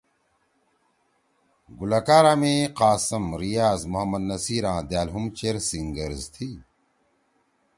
گلوکارا می قاسم، ریاض، محمد نصیر آں دأل ہُم چیر سینگرز تھی۔